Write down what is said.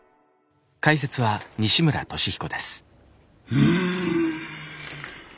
うん。